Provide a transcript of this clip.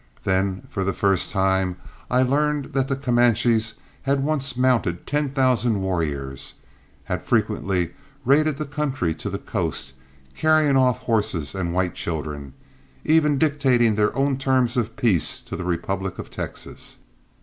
Then for the first time I learned that the Comanches had once mounted ten thousand warriors, had frequently raided the country to the coast, carrying off horses and white children, even dictating their own terms of peace to the republic of Texas.